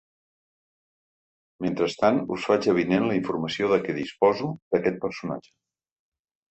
Mentrestant us faig avinent la informació de que disposo d’aquest personatge.